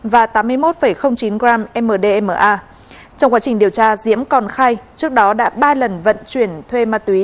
và tám mươi một chín g mdma trong quá trình điều tra diễm còn khai trước đó đã ba lần vận chuyển thuê ma túy